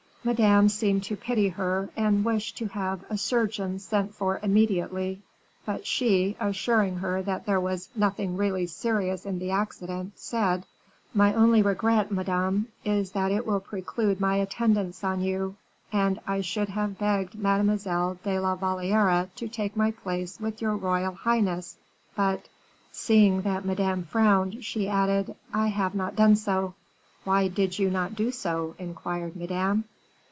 Madame seemed to pity her, and wished to have a surgeon sent for immediately, but she, assuring her that there was nothing really serious in the accident, said: "My only regret, Madame, is, that it will preclude my attendance on you, and I should have begged Mademoiselle de la Valliere to take my place with your royal highness, but " seeing that Madame frowned, she added "I have not done so." "Why did you not do so?" inquired Madame.